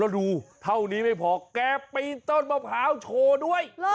แล้วดูเท่านี้ไม่พอแกปีนต้นมะพร้าวโชว์ด้วย